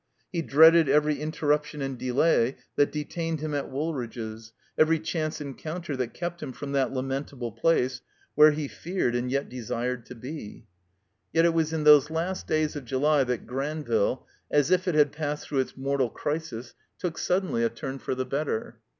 He dreaded every interruption and delay that detained him at Woolridge's, every chance en coimter that kept him from that lamentable place where he feared and yet desired to be. Yet it was in those last days of July that Gran ville, as if it had passed through its mortal crisis, took, suddenly, a turn for the better.